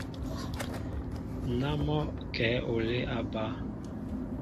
Ná mɔ́ o kɛ̌ olê a bá.